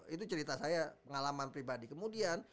itu cerita saya pengalaman pribadi kemudian